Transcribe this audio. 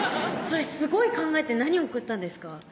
すごい考えて何送ったんですか？